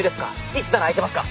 いつなら空いてますか？